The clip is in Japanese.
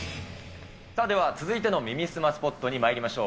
では続いての耳すまスポットにまいりましょう。